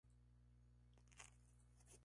De dicho material, se extrae el single "Vortex".